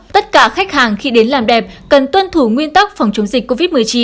tất cả khách hàng khi đến làm đẹp cần tuân thủ nguyên tắc phòng chống dịch covid một mươi chín